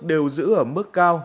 đều giữ ở mức cao